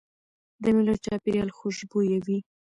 د مېلو چاپېریال خوشبويه وي.